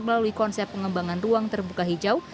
melalui konsep pengembangan ruang terbuka hijau